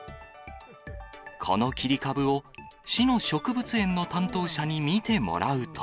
この切り株を市の植物園の担当者に見てもらうと。